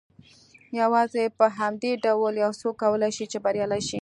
يوازې په همدې ډول يو څوک کولای شي چې بريالی شي.